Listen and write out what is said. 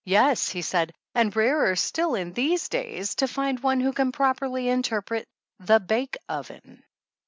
"Yes," he said, "and rarer still, in these days, to find one who can properly interpret the bake oven."